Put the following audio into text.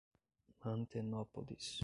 Mantenópolis